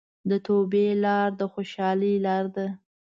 د توبې لار د خوشحالۍ لاره ده.